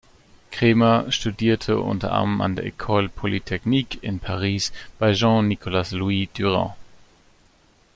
Cremer studierte unter anderem an der École polytechnique in Paris bei Jean-Nicolas-Louis Durand.